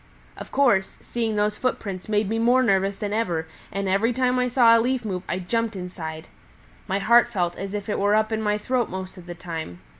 "Of course, seeing those footprints made me more nervous than ever, and every time I saw a leaf move I jumped inside. My heart felt as if it were up in my throat most of the time.